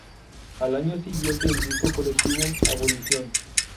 Al año siguiente, el disco colectivo "¡Abolición!